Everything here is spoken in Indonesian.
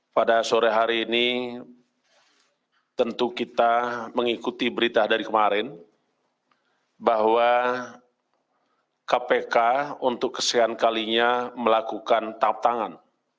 pada sore hari ini tentu kita mengikuti berita dari kemarin bahwa kpk untuk kesekian kalinya melakukan tap tangan